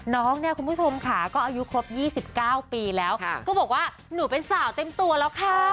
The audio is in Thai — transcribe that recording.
น้องเนี่ยคุณผู้ชมค่ะก็อายุครบ๒๙ปีแล้วก็บอกว่าหนูเป็นสาวเต็มตัวแล้วค่ะ